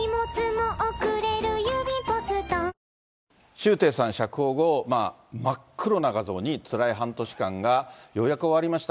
周庭さん釈放後、真っ黒な画像につらい半年間がようやく終わりました。